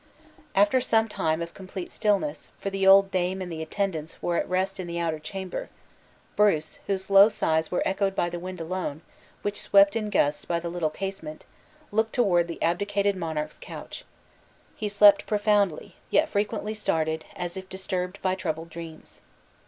After some time of complete stillness (for the old dame and the attendants were at rest in the outer chamber), Bruce, whose low sighs were echoed by the wind alone, which swept in gusts by the little casement, looked toward the abdicated monarch's couch. He slept profoundly, yet frequently started, as if disturbed by troubled dreams.